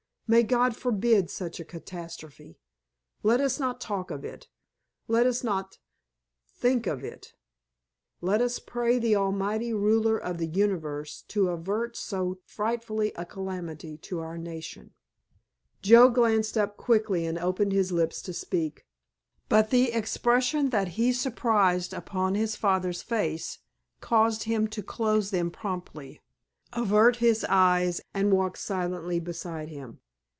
"May God forbid such a catastrophe! Let us not talk of it. Let us not think of it. Let us pray the Almighty Ruler of the Universe to avert so frightful a calamity to our nation!" Joe glanced up quickly and opened his lips to speak, but the expression that he surprised upon his father's face caused him to close them promptly, avert his eyes, and walk silently beside him.